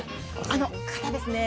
あの方ですね